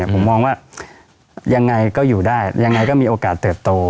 ผมมองว่ายังไงก็อยู่ได้ยังไงก็มีโอกาสเติบโต